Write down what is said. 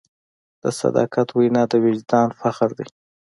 د صداقت وینا د وجدان فخر دی.